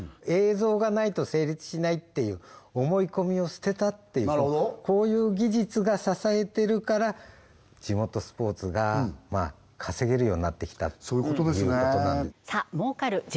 映像がないと成立しないっていう思い込みを捨てたこういう技術が支えてるから地元スポーツが稼げるようになってきたっていうことなんで儲かる！